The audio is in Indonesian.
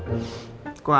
gak ada obat obatan